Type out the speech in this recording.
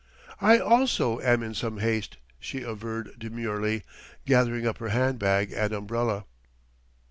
"I also am in some haste," she averred demurely, gathering up her hand bag and umbrella.